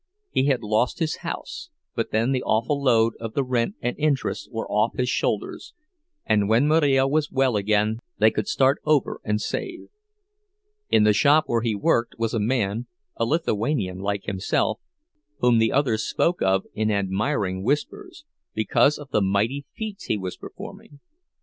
He had lost his house but then the awful load of the rent and interest was off his shoulders, and when Marija was well again they could start over and save. In the shop where he worked was a man, a Lithuanian like himself, whom the others spoke of in admiring whispers, because of the mighty feats he was performing.